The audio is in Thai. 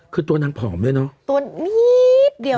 คือตัวนั้นผอมด้วยเนาะ